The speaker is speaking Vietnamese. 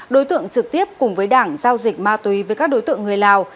đối tượng trực tiếp cùng với đảng giao dịch ma túy với các đối tượng người lào